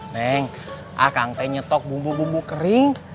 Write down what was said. neng akang teh nyetok bumbu bumbu kering